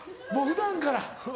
普段から。